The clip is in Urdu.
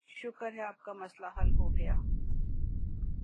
شکر ہے کہ آپ کا مسئلہ حل ہوگیا۔